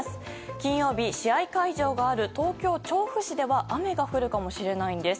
金曜日、試合会場がある東京・調布市では雨が降るかもしれないんです。